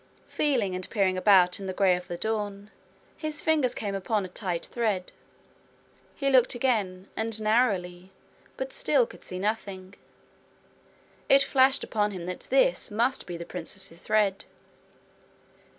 Feeling and peering about in the grey of the dawn, his fingers came upon a tight thread. He looked again, and narrowly, but still could see nothing. It flashed upon him that this must be the princess's thread.